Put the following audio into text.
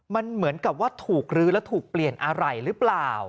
มันเหมือนกับว่าถูกลื้อแล้วถูกเปลี่ยนอะไรหรือเปล่า